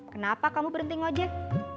kenapa kamu berhenti ngajak